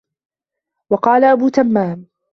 وَقَالَ أَبُو تَمَّامٍ